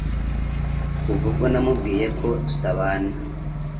Kuva ubwo namubwiye ko tutabana